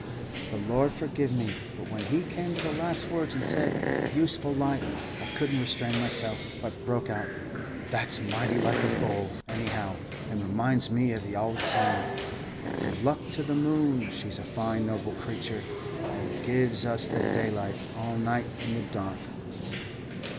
"The Lord forgive me, but when he came to the last words and said, 'useful light,' I couldn't restrain myself, but broke out, 'That's mighty like a bull, anyhow, and reminds me of the ould song, "'Good luck to the moon, she's a fine noble creature, And gives us the daylight all night in the dark.'